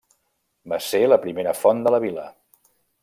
Va ser la primera font de la vila.